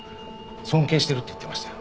尊敬してるって言ってましたよ。